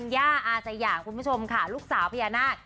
ย่าอาสยาคุณผู้ชมค่ะลูกสาวพญานาค